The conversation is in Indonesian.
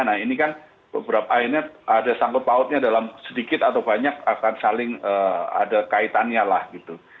nah ini kan beberapa akhirnya ada sangkut pautnya dalam sedikit atau banyak akan saling ada kaitannya lah gitu